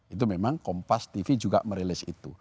itu memang kompas tv juga merilis itu